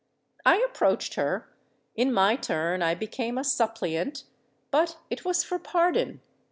I approached her—in my turn I became a suppliant;—but it was for pardon!